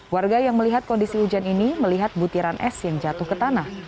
warga yang melihat kondisi hujan ini melihat butiran es yang jatuh ke tanah